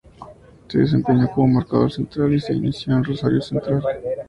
Se desempeñó como marcador central y se inició en Rosario Central.